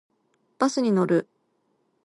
バスに乗る。